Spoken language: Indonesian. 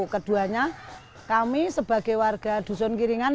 keduanya kami sebagai warga dusun kiringan